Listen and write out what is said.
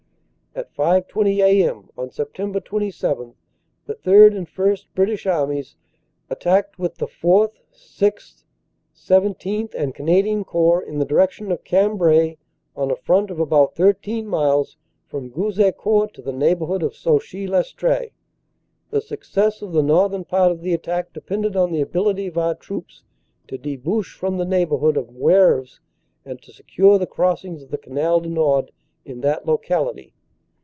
"At 5.20 a.m. on Sept. 27 the Third and First British Armies attacked with the IV, VI, XVII and Canadian Corps in the direction of Cambrai on a front of about 13 miles from Gouzeaucourt to the neighborhood of Sauchy Lestree. The success of the northern part of the attack depended upon the ability of our troops to debouch from the neighborhood of Moeuvres, and to secure the crossings of the Canal du Nord in that locality.